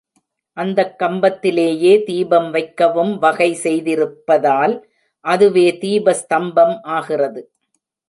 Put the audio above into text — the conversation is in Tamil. அந்தக் கம்பத்திலேயே தீபம் வைக்கவும்வகை செய்திருப்பதால் அதுவே தீப ஸ்தம்பமும் ஆகிறது.